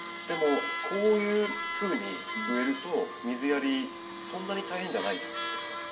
でもこういうふうに植えると水やりそんなに大変じゃないんですか？